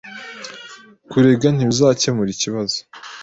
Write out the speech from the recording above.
Kurega ntibizakemura ikibazo.